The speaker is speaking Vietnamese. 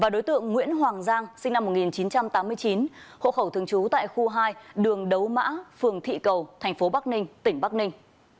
đối tượng nguyễn hoàng giang sinh năm một nghìn chín trăm tám mươi chín hộ khẩu thường trú tại khu hai đường đấu mã phường thị cầu thành phố bắc ninh tỉnh bắc ninh